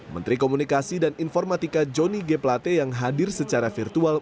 menteri komunikasi dan informatika johnny g plate yang hadir secara virtual